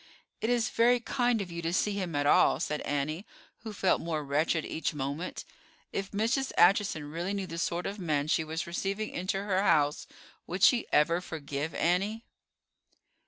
"It is very kind of you to see him at all," said Annie, who felt more wretched each moment. If Mrs. Acheson really knew the sort of man she was receiving into her house would she ever forgive Annie?